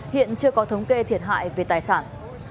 hiện chưa có thống kê thiệt hại về tài sản